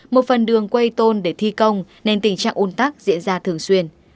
một phần đường quây tôn để thi công nên tình trạng un tắc diễn ra thường xuyên